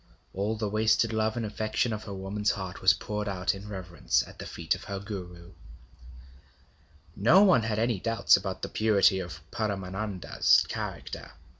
All the wasted love and affection of her woman's heart was poured out in reverence at the feet of her Guru. No one had any doubts about the purity of Paramananda's character.